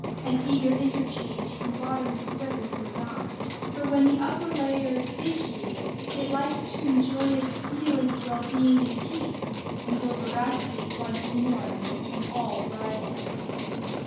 An eager interchange from bottom to surface goes on; for when the upper layer is satiated, it likes to enjoy its feeling of well being in peace, until voracity once more makes them all rivals.